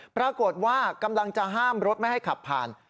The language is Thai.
ปรากฏว่ากำลังจะห้ามรถไม่ให้ขับผ่าน